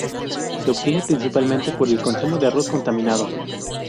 Se obtiene principalmente por el consumo de arroz contaminado.